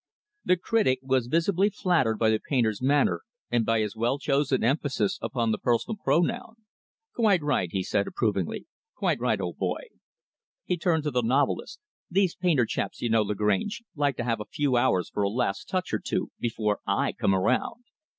The critic was visibly flattered by the painter's manner and by his well chosen emphasis upon the personal pronoun. "Quite right" he said approvingly "quite right, old boy." He turned to the novelist "These painter chaps, you know, Lagrange, like to have a few hours for a last touch or two before I come around."